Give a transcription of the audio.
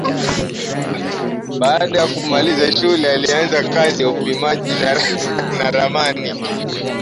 Baada ya kumaliza shule alianza kazi ya upimaji na ramani